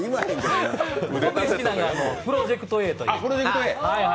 好きな映画は「プロジェクトＡ」という。